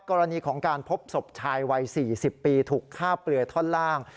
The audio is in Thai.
กรณีของการพบศพชายวัย๔๐ปีถูกฆ่าเปลือท่อนล่าง